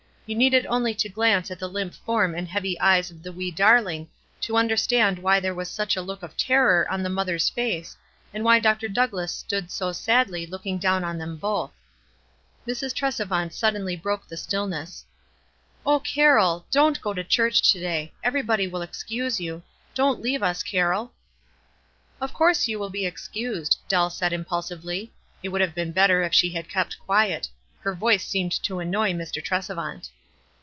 You needed only to glance at the limp form and heavy eyes of the wee darl ing to understand why there was such a look of terror on the mother's face, and why Dr. Doug WISE AND OTHERWISE. 369 lass stood so sadly looking down on them both. Mrs. Trcsevant suddenly broke the stillness. "O Carroll, don't go to church to day. Everybody will excuse you. Don't leave us, Carroll." "Of course you will be excused," Dell said, impulsively. It would have been better if she had kept quiet. Her voice seemed to annoy Mr. Tresevaut.